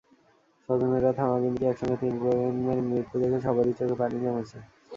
স্বজনেরা থামাবেন কী, একসঙ্গে তিন প্রজন্মের মৃত্যু দেখে সবারই চোখে পানি জমেছে।